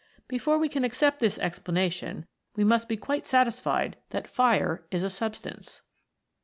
31 Before we can accept this explanation we must be quite satisfied that Fire is a substance.